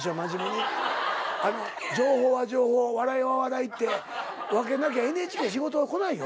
情報は情報笑いは笑いって分けなきゃＮＨＫ仕事が来ないよ。